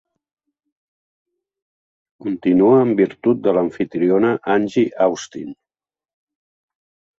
Continua en virtut de l'amfitriona Angie Austin.